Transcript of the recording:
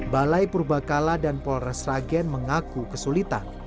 balai purbakala dan polres ragen mengaku kesulitan